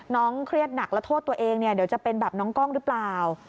เครียดหนักแล้วโทษตัวเองเนี่ยเดี๋ยวจะเป็นแบบน้องกล้องหรือเปล่า